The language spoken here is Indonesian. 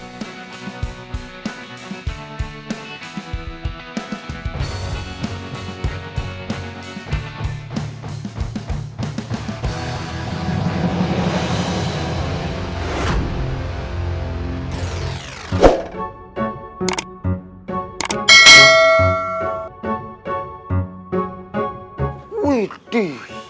nah kesini lah